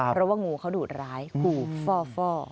เพราะว่างูเขาดุร้ายผูกฟ่อ